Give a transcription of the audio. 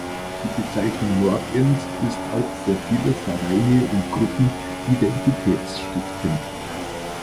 Die Bezeichnung Nordend ist auch für viele Vereine und Gruppen identitätsstiftend.